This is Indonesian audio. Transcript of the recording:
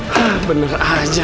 hah bener aja